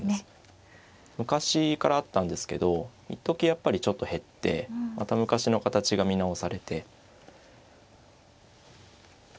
昔からあったんですけど一時やっぱりちょっと減ってまた昔の形が見直されて。